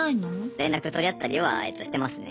連絡取り合ったりはしてますね。